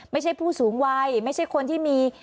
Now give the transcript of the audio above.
ผู้สูงวัยไม่ใช่คนที่มี